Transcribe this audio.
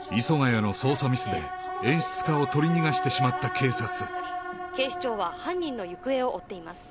谷の捜査ミスで演出家を取り逃がしてしまった警察警視庁は犯人の行方を追っています